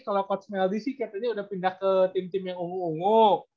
kalau coach meldi sih katanya udah pindah ke tim tim yang ungu ungu